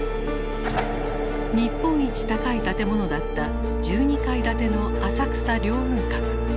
日本一高い建物だった１２階建ての浅草凌雲閣。